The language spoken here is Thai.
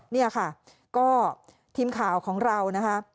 นี่ค่ะก็ทีมข่าวของเรานะคะ